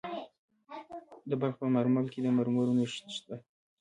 د بلخ په مارمل کې د مرمرو نښې شته.